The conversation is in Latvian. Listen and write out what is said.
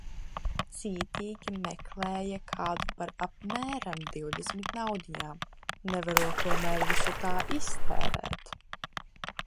Cītīgi meklēja kādu par apmēram divdesmit naudiņām, nevarot tomēr visu tā iztērēt.